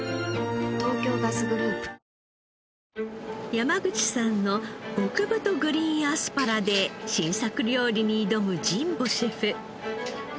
山口さんの極太グリーンアスパラで新作料理に挑む神保シェフ。